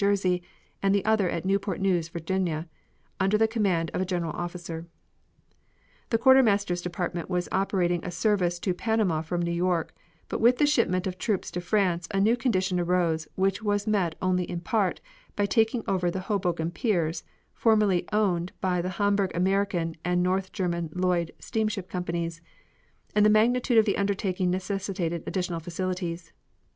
J., and the other at Newport News, Va., each under the command of a general officer. The Quartermaster's Department was operating a service to Panama from New York, but with the shipment of troops to France a new condition arose which was met only in part by taking over the Hoboken piers, formerly owned by the Hamburg American and North German Lloyd steamship companies, and the magnitude of the undertaking necessitated additional facilities.